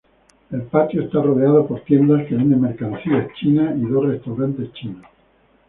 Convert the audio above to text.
El patio está rodeado por tiendas que venden mercancía china, y dos restaurantes chinos.